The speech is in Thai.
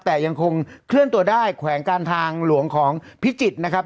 แต่ยังคงเคลื่อนตัวได้แขวงการทางหลวงของพิจิตรนะครับ